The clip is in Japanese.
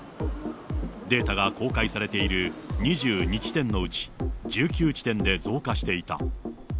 データが公開されている２２地点のうち、１９地点で増加していた。